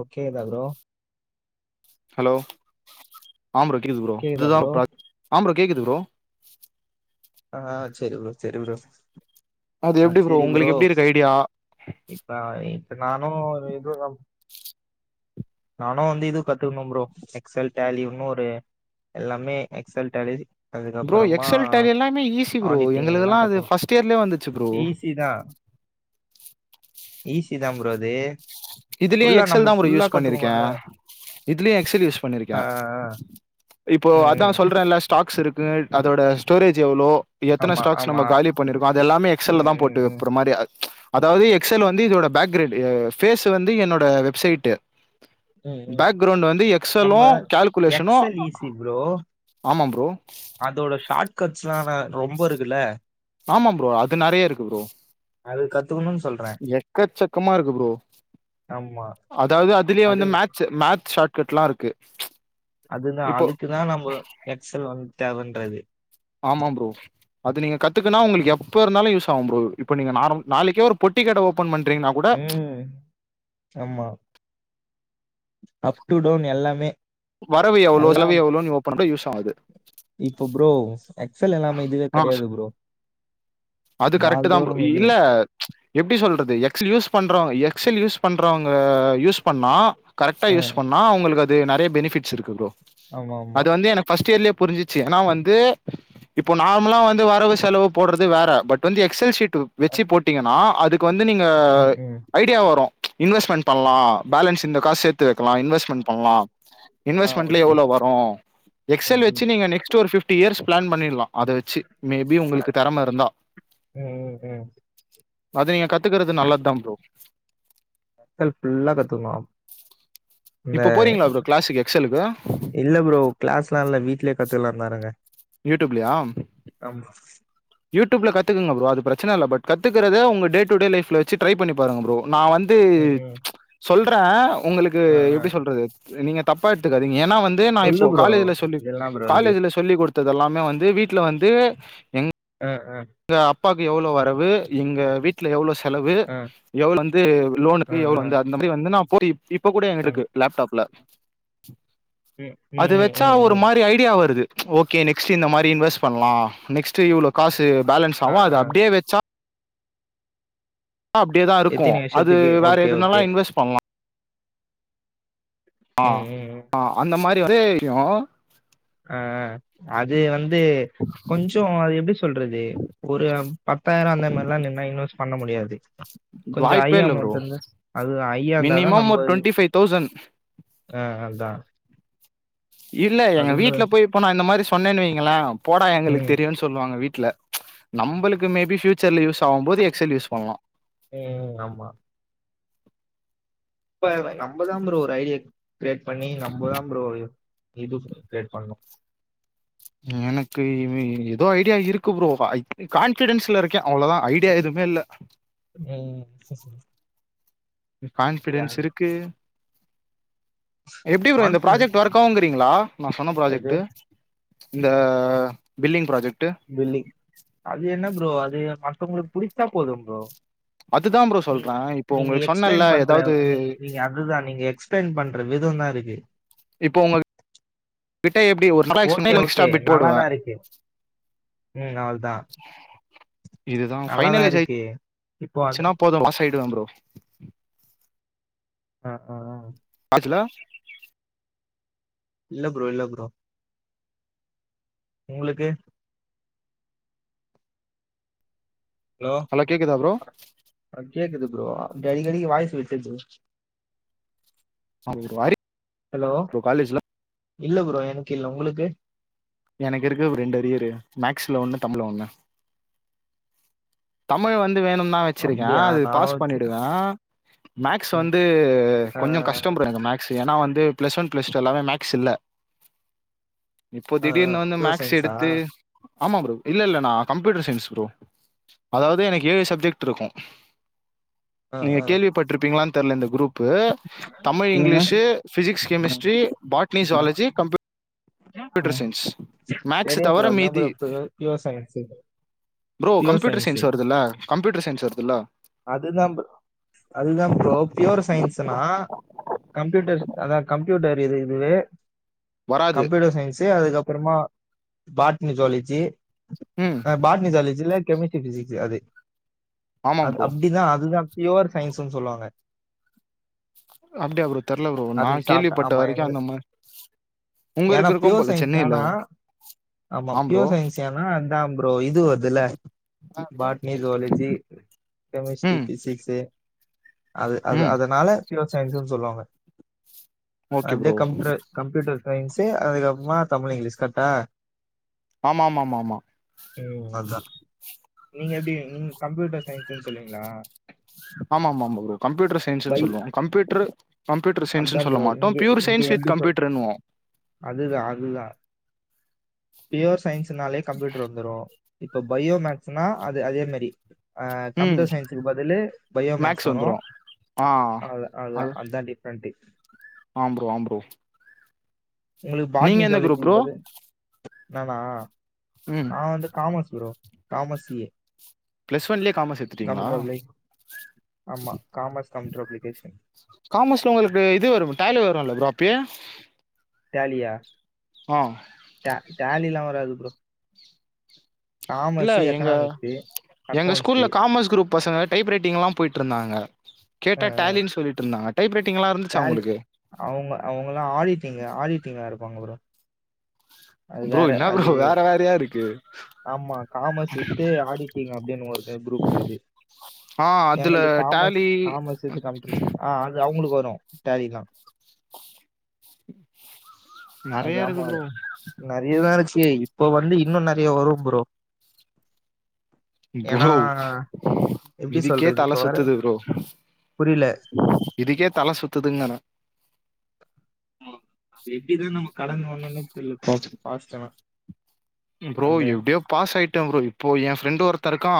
ஓகேதா bro hello ஆம் bro கேக்குது ப்ரோ கேக்குதா இதுதா ப்ரோ [unintelligible] ஆம் ப்ரோ கேக்குது ப்ரோ ஆ சேரி ப்ரோ சேரி ப்ரோ அது ஆ எப்டி ப்ரோ உங்களுக்கு எப்டி இருக்கு ஐடியா ஆ நானு இது [unintelligible] நானு வந்து இது கத்துக்கணும் ப்ரோ எக்ஸ்ல் டலின்னனு ஒரு எல்லாமே Excel Tally bro Excel Tally எல்லாமே ஈஸி ப்ரோ ஆடிட்டிங் எல்லா எங்களுக்குல்லா அது கத்துக்கணு ஃபர்ஸ்ட் இயர்லே வந்துச்சு ப்ரோ ஈஸி தா ஈசிதா ப்ரோ அது இதுலயு ஃபுல்லா நம்ம எக்செல் தா ப்ரோ ஃபுல்லா யூஸ் பண்ணிருக்க கத்துக்கணுல்ல இதுலயு எக்செல் யூஸ் பண்ணிருக்க ஆ ஆ இப்போ ம் அதா ம் சொல்றல்ல ஸ்டாக்ஸ் இருக்கு அதோட ஸ்டோரேஜ் எவ்ளோ எத்தன ஆமா ஸ்டாக்ஸ் ஆமா நம்ம காலி பண்ணி இருக்கோ அது எல்லாமே எக்செல்ல ம் தா ம் போட்டு ம் வைப்புற மாரி அதாவது எக்ஸல் வந்து இதோட பேக்கிரேட் ஃபேஸ் வந்து என்னோட வெப்சைட்டு ம் ம் பேக்ிரௌண்ட் வந்து நம்ப எக்ஸலும் கால்குலேஷனு எக்ஸல் ஈஸி ப்ரோ ஆமா ப்ரோ அதோட ஷார்ட் கட்ஸ்ல்லா ரொம்ப இருக்குல்ல ஆமா ப்ரோ அது நெறையா இருக்கு ப்ரோ அது கத்துக்கணுன்னு சொல்றே எக்கச்சக்கமா இருக்கு ப்ரோ ஆமா அதாவது அதுலயே அது வந்து மேட்ச் மேக்ஸ் ஷார்ட் கட் எல்லா இருக்கு அதுதா இப்போ அதுக்குதா நம்ம எக்்சல் வந்து தேவன்றது ஆமா ப்ரோ அது நீங்க கத்துக்குன்னா உங்களுக்கு எப்ப இருந்தாலு யூஸ் ஆகும் ப்ரோ இப்ப நீங்க நா நாளைக்கே ஒரு பொட்டி கட ஓப்பன் பண்றீங்கன்னா கூட ம் ஆமா அப் டு டவுன் எல்லாமே வரவு எவ்ளோ செலவு எவ்ளோ நீ ஓப்பன்ல யூஸ் ஆவுது இப்ப ப்ரோ எக்ஸ்ல்ல எல்லாமே இதுவே ஆ கெடயாது ப்ரோ அது கரெக்ட் நாள் தா ப்ரோ தோறும் இது இல்ல எப்டி சொல்றது எக்ஸ் யூஸ் பண்றவங்க எக்ஸ்ல் யூஸ் பண்றவங்க யூஸ் பண்ணா கரெக்டா ஆ, யூஸ் பண்ணா அவுங்களுக்கு அது நெறயா பெனிஃபிட்ஸ் இருக்கு ப்ரோ ஆமா ஆமா அது வந்து என ஃபர்ஸ்ட் இயர்லயே புரிஞ்சிச்சு ஏனா வந்து இப்போ நார்மலா வந்து வரவு செலவு போடுறது வேற பட் வந்து எக்ஸ்ல் ஷீட் ஆ, வெச்சு போட்டீங்கன்னா அதுக்கு வந்து நீங்க ம் ம் ஐடியா வரு இன்வெஸ்ட்மெண்ட் பண்லா பேலன்ஸ் இந்த காசு சேத்து வெக்கலா இன்வெஸ்ட்மெண்ட் பண்லா ஆ இன்வெஸ்மெண்ட்ல ஓகே எவ்ளோ வரு ம் எக்ஸ்ல் ம் வெச்சு நீ நெக்ஸ்ட் ஒரு ஃப்வ் ஃட்டி இயர்ஸ் பிளான் பண்ணிர்லா அத வெச்சு மேபி உங்களுக்கு தெறம இருந்தா ம் ம், ம். அது நீங்க கத்துக்கறது நல்லதுதான் ப்ரோ எக்ஸ்ல் ஃபுல்லா கத்துக்கலாம் இப்ப போறீங்ளா ப்ரோ கிளாஸ்க்கு எக்ஸ்ஸலுக்கு இல்ல ப்ரோ கிளாஸ்ல்லா இல்ல வீட்லயே கத்துக்கலாந்தா இருக்க யூடியூப்லயா ஆமா யூடியூப்ல கத்துக்கங்க ப்ரோ அது பிரச்சனைஇல்ல பட் கத்துக்கறத உங்க டே டூ டே லைஃப்ல வெச்சு ட்ரை பண்ணி பாருங்க ப்ரோ நா வந்து ம் ம் சொல்றே உங்ளுக்கு ஆ ஆ எப்டி சொல்றது நீங்க தப்பா எடுத்துக்காதீங்க ஏனா வந்து நா சொல்லு இப்போ ப்ரோ காலேஜ்ல சொல்லி அதெல்லாம் ப்ரோ இருக்கு காலேஜ்ல சொல்லி கு டுத்ததெல்லாமே வந்து வீட்ல வந்து எ அ அ ங்க அப்பாக்கு எவ்ளோ வரவு எங்க வீ ட்ல எவ்ளோ செலவு ஆ எவ்ளோ வந்து ஆ லோனுக்கு எவ் ஆ வந்து அந்த மாரி வந்து நா போ இப்ப கூட ஆ ம் எங்ளுக்கு லேப்டாப்ல ம் அது ம் வெச்சா ம் ஒரு ம் மாரி ஐடியா வருது ஓகே நெக்ஸ்ட் இந்த மாரி இன்வெஸ் பன்லா நெக்ஸ்ட் இவ்ளோ காசு பேலன்ஸ் ஆ ஆவு அத ஆ அப்டியே வெச்சா அப்டியேதாருக்கு எத்தினி அது வருஷத்துக்கு? வேற ஓகே, எதுனாலா ஓகே. இன்வெஸ் பண்லா ஆ ம், ம், ம். ஆ அந்த மாரி வந்து ஒரே விஷ்யோ அ அது வந்து கொஞ்சோ அது எப்டி சொல்றது ஒரு பத்தாயிரோ அந்த மாரில்லா நின்னா இன்வெஸ் பண்ண முடியாது கொஞ்சோ ஐ வாய்ப்பே இல்ல ப்ரோ. அமௌண்ட் இருந்தா ஐயா இருந்தாதா மினிமம் ஒரு நம்ப டுவெண்ட்டி ஃபைவ் தௌசண்ட் அ அதா இல்ல எங்க வீட்ல போய் இப்ப நா இந்த மாரி சொன்னேனு வைங்ளே போடா எங்ளுக்கு ம். தெரியுனு சொல்லுவாங்க வீட்ல ஆமா. நம்பளுக்கு மேபி ஃபுயூச்சர்ல யூஸ் ஆவும்போது எக்சல் யூஸ் பண்லா ம், ஆமா. இப்ப நம்பதான் ப்ரோ ஒரு ஐடியா கிரேட் பண்ணி நம்பதான் ப்ரோ இது கிரியேட் பண்ணு எனக்கு இவி எதோ ஐடியா இருக்கு ப்ரோ ஐ கான்ஃபிடென்ஸ்ல இருக்கேன் அவ்ளதா ஐடியா எதுமே இல்ல ம் ம் கான்ஃபிடென்ஸ் இருக்கு எப்டி ப்ரோ இந்த கான்ஃபிடன்ஸ் ப்ராஜெக்ட் ஒர்க் ஆவுங்கறீங்ளா நா சொன்ன எது? ப்ராஜெக்ட்டு இந்த பில்லிங் ப்ராஜெக்ட்டு பில்லிங் அது என்ன ப்ரோ அது மத்தவங்ளுக்கு புடிச்சா போதும் ப்ரோ அதுதா ப்ரோ நீ சொல்றே இப்போ நீங்க உங்களுக்கு எக்ஸ்பிளைன் சொன்னேன்ல பண்ற ஏதாவது நீங் நீங்க அதுதா நீங்க எக்ஸ்பிளைன் பண்ற விதோ தா இருக்கு இப்போ உங்க கிட்ட எப்டி ஒரு ஓகே, ஓகே. எக்ஸ்ட்ரா பிட் நல்லா போடுவ தான் இருக்கு. ம். அவ்ளதான். இதுதா நல்லா தான் பைனலஜ்ஜை இருக்கு. இப்போ அது ச்சுனா போது பாஸ் ஆயிடுவ ப்ரோ ஆ ஆ பாஸ்சுல இல்ல ப்ரோ இல்ல ப்ரோ உங்ளுக்கு ஹலோ ஹலோ கேக்குதா ப்ரோ அ கேக்குது ப்ரோ அடிக்கடிக்கு வாய்சு விட்டுச்சு ஒரு அரி ஹலோ ப்ரோ காலேஜ்ல இல்ல ப்ரோ எனக்கு இல்ல உங்ளுக்கு எனக்கு இருக்கு ஒரு ரெண்டு அரியரு மேக்ஸ்ல ஒன்னு தமிழ்ல ஒன்னு தமிழ் வந்து வேணுன் நா வச்சிருக்க அப்படியா? அது நானும் பாஸ் வச்சு பண்ணிடுவ மேக்ஸ் ம். வந்து அ, கொஞ்சோ கஷ்ட அ, ப்ரோ எனக் மேக் ஸ்சு ஏன்னா வந்து பிளஸ் ஒன் பிளஸ் டூ எல்லாமே மேக்ஸ் இல்ல இப்போ அ, அ. திடீர்னு வந்து பியூர் மேக்ஸ் சயின்ஸா? எடுத்து ஆமா ப்ரோ இல்ல இல்ல நா கம்ப்யூட்டர் சைன்ஸ் ப்ரோ அதாவது எனக்கு ஏழு சப்ஜெக்ட்ருக்கு அ, நீங்க அ. கேள்விப்பட்ருப்பிங்காளான் தெர்ல இந்த குரூப் பு தமிழ் சொல்லுங்க. இங்கிலீசு ஃபிசிக்ஸ் அ, கெமிஸ்ட்ரி பாட்னி அ, சுவாலஜி கம்ப்யூ அ. ட்டர் சைன்ஸ் மேக்ஸ்ஸ தெரியும் தவற ப்ரோ. அதான் மீதி bro pure pure science. Bro pure computer science வருதுல்ல கம்ப்யூட்டர் சயின்ஸ் வருதுல்ல அதுதா ப் அதுதா ப்ரோ பியூர் சயின்ஸ்னா கம்ப்யூட்டர் அதா கம்ப்யூட்டர் இது இதுவே வராது கம்ப்யூட்டர் சயின்ஸ்ஸூ அதுக்கப்பறமா பாட்னி ஜுவாலஜி ம் க பாட்னி ஜுவாலஜி இல்ல கெமிஸ்ட்ரி பிசிக்ஸ் அது ஆமா அது ப்ரோ அப்டிதா அதுதா ஃப்யூர் சயின்ஸ்னு சொல்வாங்க அப்டியா ப்ரோ தெர்ல ப்ரோ நா அது ஷார்ட்டா கேள்விப்பட்ட ஆமா வரக்கி எங்க அந்த மார் ஏன்னா உங்கருக்கு இருக்கு பியூர் போல சயின்ஸ் சென்னைல ஏன்னா ஆமா பியூர் சயின்ஸ் ஏன்னா இதா ப்ரோ இது வர்துல ஆ ப்ரோ. பாட்னி ஜுவாலஜி கெமிஸ்ட்ரி ம் பிசிக்ஸ்சு அது அது ம் அதனால பியோர் சயின்ஸ்ன்னு சொல்லுவாங்க அது ஓகே அப்டே ப்ரோ கம்யூ கம்ப்யூட்டர் சயின்ஸ்சு அதுக்கப்றமா தமிழ் இங்கிலீஷ் கர்டா ஆமா ஆமா ஆமா ஆமா ம் அதா நீங்க எப்டி நீங்க கம்ப்யூட்டர் சயின்ஸ்ன்னு சொல்லீங்ளா ஆமா ஆமா ஆமா பௌ்ரோ கம்ப்யூட்டர் சயின்ஸ்ன்னு பை சொல்லுவோ கம்ப்யூட்ரு கம்ப்யூட்டர் சயின்ஸ்ன்னு அதான் சொல்ல மாட்டோ பியூர் சயின்ஸ் வித் கம்ப்யூட்டர்ன்வோ அதுதா அதுதா பியோர் சயின்ஸ்னாலே கம்ப்யூட்டர் வந்துரு இப்ப பயோ மேக்ஸ்ன்னா அது அதே மாரி ம் கம்ப்யூட்டர் சயின்ஸுக்கு பதிலு பயோ மேக்ஸ் வரு ஆ அதா அதா அதுதா டிஃப்ரெண்ட்டு ஆ ப்ரோ ஆ ப்ரோ உங்களுக் நீங்க பாட்னி எந்த குரூப் ஜுவாலஜிக் ப்ரோ பதில் நானா ம் நா வந்து காமஸ் ப்ரோ காமஸ் ஏ பிளஸ் ஒன்லயே காமர்ஸ் எடுத்துட்டீங்களா கம்பியூட்டர் அப்பிளிக் ஆமா காமஸ் கம்பியூட்டர் அப்ளிகேஷன் காமஸ்ல உங்களுக்கு இது வரு டேலி வருல ப்ரோ அப்பயே டேலியா ஆ ட டேலிலா வராது ப்ரோ இல்ல காமர்ஸ் எங்க எக்கனாமிக்ஸ் எங்க அக்கௌண்ட்ஸ் ஸ்கூல்ல காமஸ் குரூப் பசங்க டைப் ரைட்டிங் எலா போயிட்டு இருந்தாங்க கேட்டா டேலினு சொல்லிட்டு இருந்தாங்க டைப் ரைட்டிங்லா இருந்துச்சா உங்களுக்கு அவுங்க அவுங்கல்லா ஆடிட்டிங்க ஆடிட்டிங்கா இருப்பாங்க ப்ரோ அது ப்ரோ வேற என்ன அது ப்ரோ வேற வேறயா இருக்கு ஆமா காமஸ் வித்து ஆடிட்டிங் அப்டினு ஒரு குரூப் இருக்குது ஆ அதுல டேலி அது அவுங்களுக்கு வரு டேலில்லா அது நிறைய இருக்கு ஆமா ப்ரோ நெறையதா இருக்கே இப்போ வந்து இன்னு நெறைய வரு ப்ரோ ஏன்னா ப்ரோ எப்டி இதுக்கே சொல்றது தல இப்ப வேற சுத்துது ப்ரோ புரில இதுக்கே தல சுத்துதுங்கிறே எப்டிதா நம்ம கடந்து வந்தோணே தெர்ல [inaudible] பாஸ்ட்டெனா ப்ரோ எப்டியோ பாஸ் ஆயிட்டே ப்ரோ இப்போ எ ஃப்ரெண்ட் ஒருத்தே இருக்கா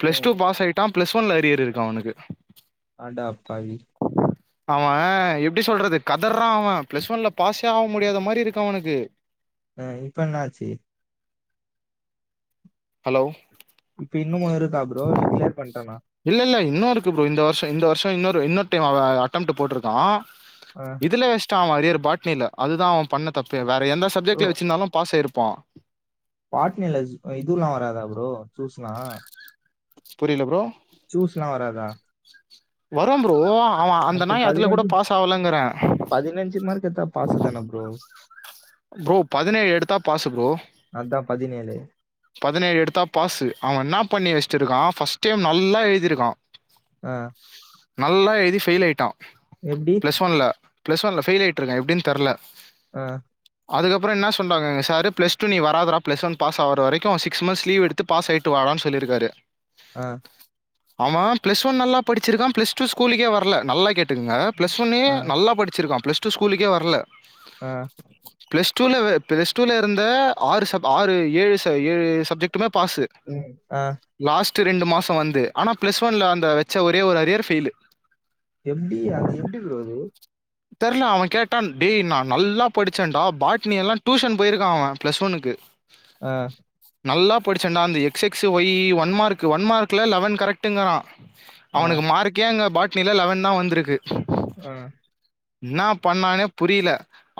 பிளஸ் டூ ம் பாஸ் ஆயி தா பிளஸ் ஒன்ல அரியர் இருக்கு அவனுக்கு அடப்பாவி அவே எப்டி சொல்றது கதர்றா அவே பிளஸ் ஒன்ல பாஸ் சே ஆக முடியாத மாரி இருக்கு அவனுக்கு ஆ இப்ப என்ன ஆச்சு ஹலோ இப்ப இன்னுமோ இருக்கா ப்ரோ இல்ல கிளியர் பண்ட்டானா இல்ல இல்ல இன்னோருக்கு ப்ரோ இந்த வருஷோ இந்த வருஷோ இன்னொரு இன்னொரு டைம் அவே அட்டம்ட்டு போட்ருக்கா ஆ இதுல வெஸ்டா அவே அரியரு பாட்னில அதுதா அவே பண்ண தப்பே வேற எந்த ப்ரோ சப்ஜெக்ட்ல வச்சுருந்தாலு பாஸ் ஆயிருப்பா பாட்னில ஜூ இதுவுல்லா வராதா ப்ரோ சூஸ்லா புரில ப்ரோ சூஸ்லா வராதா வரு ப்ரோ அவே அந்த நாய் அதுல கூட பாஸ் ஆவலங்கிறே பதினைஞ்சு மார்க் எடுத்தா பாசு தானே ப்ரோ ப்ரோ பதினேழு எடுத்தா பாசு ப்ரோ அதா பதினேழு பதினேழு எடுத்தா பாசு அவே என்ன பண்ணி வஸ்ட்டுருக்கா ஃபஸ்ட்டு டைம் நல்லா எழுதிருக்கா அ நல்லா எழுதி ஃபெயில் ஆயிட்டா எப்டி பிளஸ் ஒன்ல ப்ளஸ் ஒன்ல ஃபெயில் ஆயிட்ருக்கா எப்டினு தெர்ல அ அதுக்கப்பறோ என்ன சொன்னாங்க எங்க சாரு பிளஸ் டூ நீ வராதரா பிளஸ் ஒன் பாஸ் ஆவுற வரை க்கு சிக்ஸ் மந்த்ஸ் லீவ் எடுத்து பாஸ் ஆயிட்டு வாடானு சொல்லிருக்காரு அ ஆமா பிளஸ் ஒன் நல்லா படிச்சிருக்கா பிளஸ் டூ ஸ்கூலுக்கே வரல நல்லா கே ட்டுகுங்க பிளஸ் ஒன்னே ஆ நல்லா படிச்சிருக்கா பிளஸ் டூ ஸ்கூலுக்கே வர்ல ஆ பிளஸ் டூல பிளஸ் டூல இருந்த ஆறு ச ஆறு ஏழு ஏழு சப்ஜெக்டுமே பாஸ்சு ம் ஆ லாஸ்ட்டு ரெண்டு மாச வந்து ஆனா பிளஸ் ஒன்ல அந்த வச்ச ஒரே ஒரு அரியர் ஃபெயிலு எப்டி அது எப்டி ப்ரோ அது தெர்ல அவ கேட்டான் டேய் நான் நல்லா படிச்சேன்டா பாட்னி எல்லா டியூஷன் போயிருக்கா அவன் பிளஸ் ஒன்னுக்கு ஆ நல்லா படிச்சேன்டா அந்த X X Y one mark one மார்க்ல லெவன் கரெக்ட்டுங்கிறா ஆ அவனுக்கு மார்க்கே அங்க பாட்னில லெவன்தா வந்திருக்கு அ என்னா பண்ணானே புரியல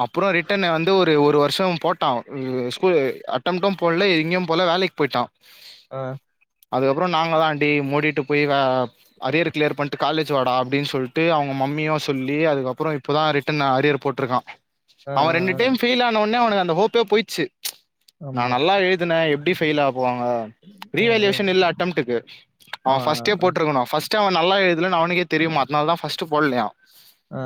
அப்புற ரிட்டன் வந்து ஒரு ஒரு வருஷ போட் ட்டா ஸ்கூல் அட்டம்டு போட்ல எங்கயும் போல வேலைக்கு போய்ட்டா ஆ அதுக்கப்புற நாங்களாண்டி மூடிட்டு போய் வா அரியர் கிளியர் பண்ட்டு காலேஜ் வாடா அப்டின்னு சொல்ட்டு அவுங்க மம்மியு சொல்லி அதுக்கப் புறோ இப்பதா ரிட்டர்ன் அரியர் போட்ருக்கா ஆ ஆ அவன் ரெண்டு ஆ டைம் ஃபெயில் ஆனோனே அவனுக்கு அந்த ஹோப் ப்பே போயிச்சு நா ஆமா நல்லா எழுதினே எப்டி ஃபெயில் ஆக்குவாங்க ம் ம் ரீவேலியேஷன் இல்ல அட்டம்டுக்கு ஆ அவ ஃபஸ்ட்டே ஆ போட்ருக்கனு ஃபஸ் டு அவ நல்லா எழுதலனு அவனுக்கே தெரியுமா அதனாலதா ஃபர்ஸ்ட்டு போட்லயா ஆ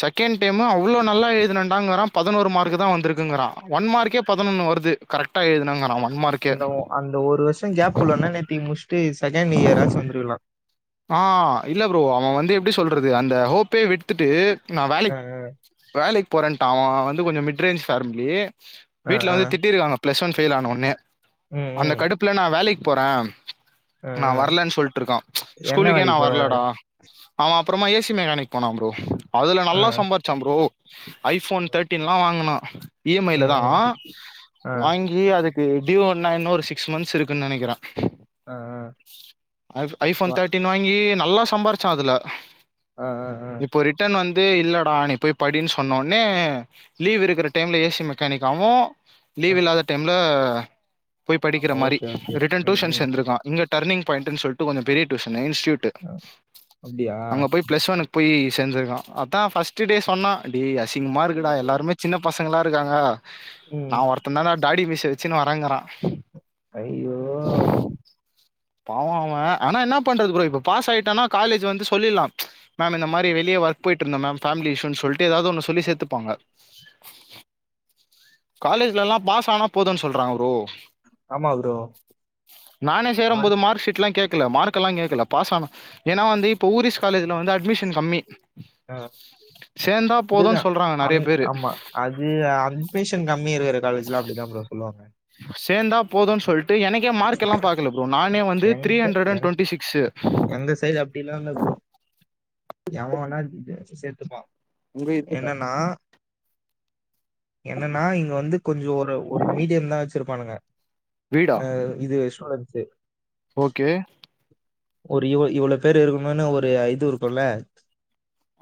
செகேண்ட் டைம் அவ்ளோ நல்லா எழுதினேன்டாங்கறா பதினோரு மார்க்கு தா வந்திருக்குங்குறா ஒன் மார்க்கே பதுனொன்னு வருது கரெட்டா எழுதுனேங்கறா ஒன் மார்க் அந்த அந்த ஒரு வருஷ கேப் உள்ளன்னா இந்நேத்தி முடிஸ்ட்டு செகண்ட் இயராச்சு வந்துருக்கலா ஆ இல்ல ப்ரோ அவன் வந்து எப்டி சொல்றது அந்த ஹோப்பே விடுத்துட்டு நா ஆ வேலைக்கு ஆ வேலைக்கு போறேன்ட்டா அவன் வந்து கொஞ்ச மிட் ரேஞ்ச் ஃபேமிலி ஆ வீட்ல ஆ வந்து திட்டிருக்காங்க பிளஸ் ஒன் ஃபெயில் ஆனோன்னே ம் அந்த ம் கடுப்புல நா வேலைக் போறே ஆ நா ஆ வர்லன்னு சொல்ட்ருக்கா என்ன ஸ்கூலுக்கே நா வேலைக்கு போற வர்லடா அவன் அப்றமா ஏசி மெக்கானிக் போனா ப்ரோ அதுல ஆ நல்லா சம்பாரிச்சா ப்ரோ ஐஃபோன் தேட்டீன்லா வாங்குனா இ எம் ம் ஐலதா ம் ஆ வாங்கி ஏ அதுக்கு ட்யூ ஒன் இன்னு ஒரு சிக்ஸ் மந்த்ஸ் இருக்குன்னு நெனைக்கிறே அ அ ஐ ஐஃபோன் தேர்ட்டீன் வாங்கி நல்லா சம்பாரிச்சா அதுல ஆ ஆ ஆ இப்போ ரிட்டர்ன் வந்து இல்லடா நீ போய் படின்னு சொன்னோனே லீவ் இருக்கிற டைம்ல ஏசி மெக்கானிக்காவு ஆ லீவ் இல்லாத டைம்ல போய் படிக்கிற ஆமா மாரி ஓகே ஓகே ரிட்டன் ம் ட்யூஷன் ம் சேந்திருக்கா இங்க டர்னிங் பாய்ண்ட்டுனு சொல்லிட்டு கொஞ்ச பெரிய டியூசன் இன்ஸ்டூட் அ அப்டியா அங்க போய் பிளஸ் ஒன்னுக்கு போய் சேந்துருக்கா அதா ஃபஸ்ட்டு டே சொன்னா டடே அசிங்கமா இருக்குடா எல்லாருமே சின்ன பசங்களா இருக்காங்க ம் நா ஒருத்தன் தான்டா தாடி மீச வெச்சுன்னு வரேங்கறா ஐயோ பாவோ அவே ஆனா என்ன பண்றது ப்ரோ இப்ப பாஸ் ஆயிட்டனா காலேஜ் வந்து சொல்லிலா மேம் இந்த மாரி வெளியே ஒர்க் போய்ட்டு இருந்தே மேம் ஃபாமிலி இஷ்யுன்னு சொல்ட்டு எதாவது ஒன்னு சொல்லி சேத்துப்பாங்க காலேஜ்லல்லா பாஸ் ஆனா போதுன்னு சொல்றாங்க ப்ரோ ஆமா ப்ரோ சேரம்போது மார்க் ஷீட்லா கேக்கல மார்க்கல்லாங் கேக்கல பாஸ் ஆனு ஏனா வந்து இப்போ ஊரிஸ் காலேஜ்ல வந்து அட் ட்மிஷன் கம்மி அ சேந்தாப் இதுதா போதுன் சொல்றாங்க அந் நெறையப் பேரு ஆமா அது அட்மிஷன் கம்மி இருக்கர காலேஜ்ல அப்டிதாம் ப்ரோ சொல்வாங்க சேந்தாப் போதுன் சொல்ட்டு எனக்கே மார்க்கெல்லாம் பாக்கல ப்ரோ நானே வந்து த்ரீ ஹண்ட்ரடண்ட் ட்வெண்ட்டி சிக்ஸ்சு அந்த சைட்லப் அப்டிலா இல்ல ப்ரோ எவ வந்தான் சேத்துப்பா உங்க இதுல. என்னனா என்னனா இங்க வந்து கொஞ்சோ ஒரு ஒரு மீடியந்தா வச்சிருப்பானுங்க வீடா? அ இது சூலத்து ஓகே ஒரு இவ் இவ்ளோப் பேரு இருக்கணுனு ஒரு இது இருக்குல்ல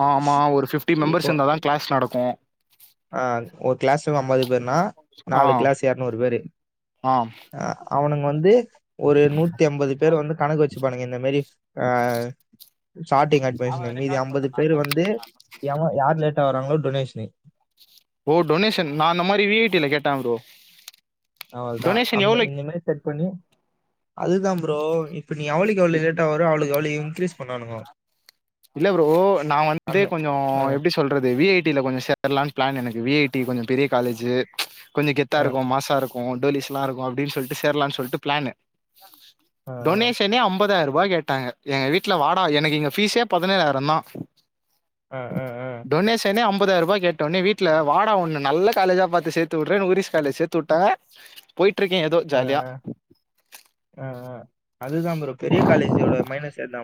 ஆமா ஒரு ஃபிப்டி மெம்பர்ஸ் இருந்தாதா க்ளாஸ் நடக்கு அ ஒரு க்ளாஸ்க்கு அம்பது பேருனா நாலு க்ளாஸ்சு எர்நூறு பேரு ஆம் அ அவனுங்க வந்து ஒரு நூத்தி அம்பது பேர வந்து கணக்கு வச்சுப்பானுங்க இந்தமேரி ஆ ஸ்டாட்டிங் அவ அட்மிஷனு மீதி ரெக்கார்ட் போட்டா அம்பது நா பேரு தா வந்து செஞ்சே நா தா செஞ்சே எவெ அப்டியே யார் லேட்டா வராங்ளோ டொனேஷ்னு ஓ டொனேஷன் நா அந்த மாரி வி ஐ டீல கேட்டே ப்ரோ அவள்தா டொனேஷன் அந்த எவ்ளோ இந்த மேரி செட் பண்ணி அதுதாம் ப்ரோ இப்ப நீ எவ்ளக்கெவ்ள லேட்டா வரோ அவளுக் அவ்ளோ இன்க்ரீஸ் பண்வானுங்கோ இல்ல ப்ரோ நா வந்து அந்த கொஞ்சோ ஆ எப்டிச் சொல்றது வி ஐ டி ல கொஞ்ச சேர்லான் ப்ளானு எனக்கு வி ஐ டி கொஞ்சோ பெரியக் காலேஜூ கொஞ்சோ ஆ கெத்தாருக்கு மாசாருக் கு டோலிஸ்லா இருக்கு அப்டின் சொல்ட்டு சேர்லான் சொல்ட்டுப் ப்ளானு ஆ டொனேஷனே அம்பதாயர்பா கேட்டாங்க எங்க வீட்ல வாடா எனக்கு இங்க ஃபீஸே பதினேழாயிரந்தா அ அ டொனேஷனே அம்பதாயரபா கேட்டோனே வீட்ல வாடா ஒன்ன நல்ல காலேஜா பாத்து சேத்துவுட்ரேனு வுரிஸ் காலேஜ் சேத்துவுட்டாங்க [inaudible] போயிட்ருக்கே எதோ ஜாலியா அ அதுதாம் ப்ரோ பெரிய காலேஜோட மைனஸ் எல்லாம்